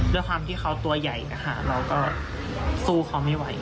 ด้วยความที่เขาตัวใหญ่นะคะเราก็สู้เขาไม่ไหว